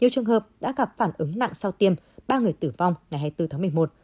nhiều trường hợp đã gặp phản ứng nặng sau tiêm ba người tử vong ngày hai mươi bốn tháng một mươi một